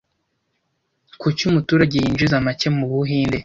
Kuki umuturage yinjiza make mu Buhinde